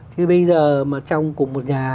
chứ bây giờ mà trong cùng một nhà